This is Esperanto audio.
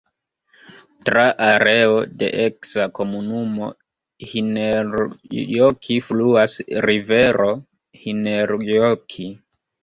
Tra areo de eksa komunumo Hinnerjoki fluas rivero Hinnerjoki.